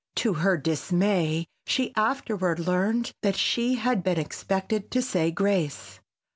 To her dismay she afterward learned that she had been expected to say grace.